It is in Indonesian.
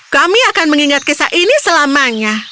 kami akan mengingat kisah ini selamanya